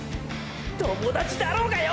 友達だろうがよ！！